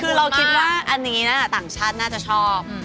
คือเราคิดว่าอันนี้นะต่างชาติน่าจะชอบ